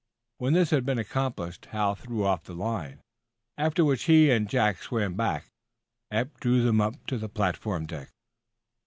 When this had been accomplished, Hal threw off the line, after which he and Jack swam back. Eph drew them up to the platform deck.